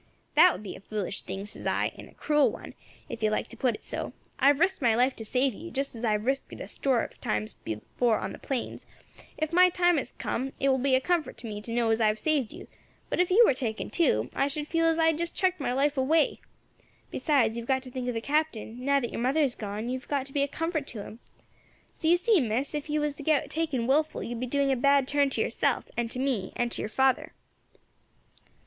"'That would be a foolish thing,' says I, 'and a cruel one, ef you like to put it so. I have risked my life to save you, just as I have risked it a score of times before on the plains; ef my time has come, it will be a comfort to me to know as I have saved you, but ef you were taken too I should feel that I had just chucked my life away. Besides, you have got to think of the Captain; now that your mother has gone you have got to be a comfort to him. So you see, Miss, ef you was to get taken wilful you would be doing a bad turn to yerself, and to me, and to yer father.'